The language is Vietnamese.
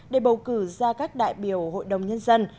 để bầu cử ra các đại biểu hội đồng nhân dân